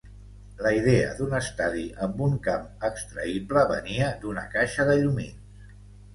La idea d'un estadi amb un camp extraïble venia d'una caixa de llumins.